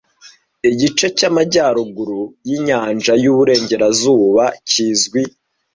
Igice cyamajyaruguru yinyanja yuburengerazuba kizwi